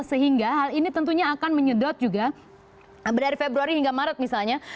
sehingga hal ini tentunya akan menyedot juga dari februari hingga maret misalnya